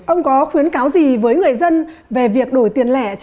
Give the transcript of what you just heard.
ông có khuyến cáo gì với người dân về việc đổi tiền lẻ trong dịp tết